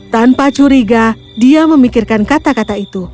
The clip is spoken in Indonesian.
tanpa curiga dia memikirkan kata kata itu